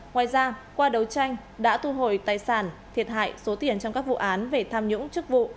ngoài ra qua đấu tranh đã thu hồi tài sản thiệt hại số tiền trong các vụ án về tham nhũng chức vụ